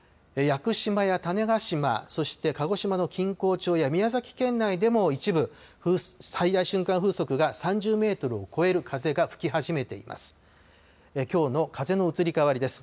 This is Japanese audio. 屋久島や種子島、そして鹿児島の錦江町や宮崎県内でも一部、最大瞬間風速が３０メートルを超える風が吹き始めています。